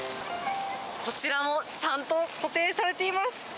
こちらもちゃんと固定されています。